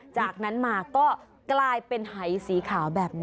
จากนั้นมาก็กลายเป็นหายสีขาวแบบนี้